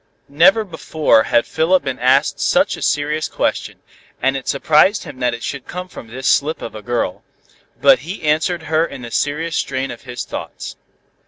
Never before had Philip been asked such a question, and it surprised him that it should come from this slip of a girl, but he answered her in the serious strain of his thoughts.